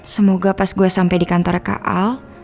semoga pas gue sampai di kantor kak al